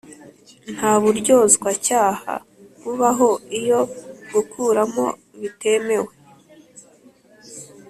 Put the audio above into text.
Nta buryozwacyaha bubaho iyo gukuramo bitemewe